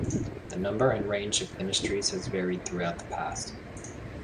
The number and range of ministries has varied throughout the past.